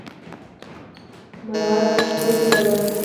مراد وړوکی و.